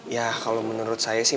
ya kalau menurut saya sih